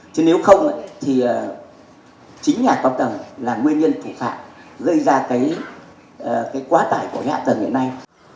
chứ nếu không thì chính nhà cộng đồng là nguyên nhân thủ phạm rơi ra cái quá tải của nhà tầng hiện nay